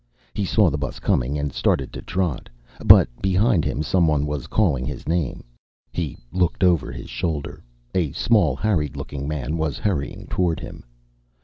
He saw the bus coming and started to trot. But behind him, someone was calling his name. He looked over his shoulder; a small harried looking man was hurrying toward him.